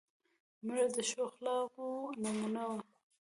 مړه د ښو اخلاقو نمونه وه